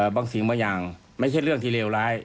บางสิ่งบางอย่างไม่ใช่เรื่องที่เลวร้าย